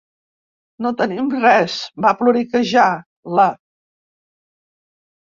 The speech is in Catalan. No tenim res! —va ploriquejar la